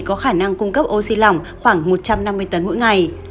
có khả năng cung cấp oxy lỏng khoảng một trăm năm mươi tấn mỗi ngày